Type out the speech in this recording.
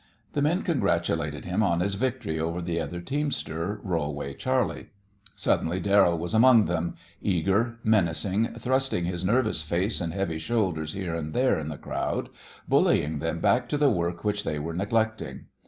The men congratulated him on his victory over the other teamster, Rollway Charley. Suddenly Darrell was among them, eager, menacing, thrusting his nervous face and heavy shoulders here and there in the crowd, bullying them back to the work which they were neglecting.